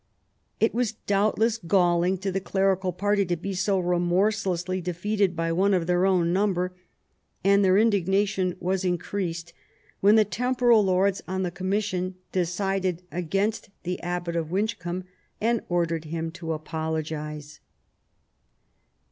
It was. doubtless galling to the clerical party to be so remorselessly defeated by one of their own number, and their indignation was in creased when the temporal lords on the commission decided against the Abbot of Winchcombe and ordered him to apologise.